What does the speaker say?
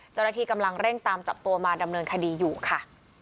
เจ้าหน้าที่กำลังเร่งตามจับตัวมาดำเนินคดีอยู่ค่ะ